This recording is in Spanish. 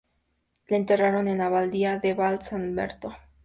Le enterraron en la abadía de Val san Lamberto.